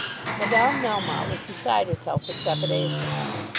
Madame Melmotte was beside herself with trepidation.